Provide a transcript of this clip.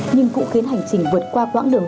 nhưng cũng khiến hành trình vượt qua quãng đường